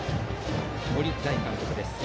森大監督です。